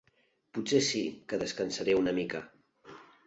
Potser sí que descansaré una mica.